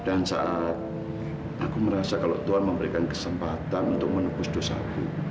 dan saat aku merasa kalau tuhan memberikan kesempatan untuk menepus dosaku